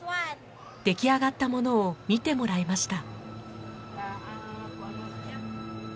出来上がったものを見てもらいました。